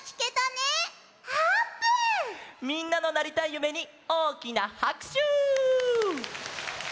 みんなのなりたいゆめにおおきなはくしゅ！